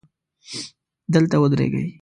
دلته ودرېږئ